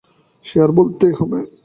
সে আর বলতে হবে না।